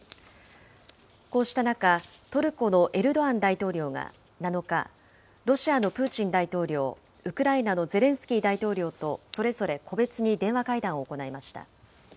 こうした中、トルコのエルドアン大統領が７日、ロシアのプーチン大統領、ウクライナのゼレンスキー大統領とそれぞれ個別に電話会談を行いました。